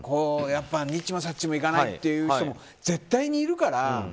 にっちもさっちもいかないっていう人も絶対にいるから。